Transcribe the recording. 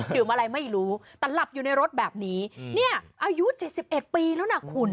ดื่มอะไรไม่รู้แต่หลับอยู่ในรถแบบนี้เนี่ยอายุเจ็ดสิบเอ็ดปีแล้วนะคุณ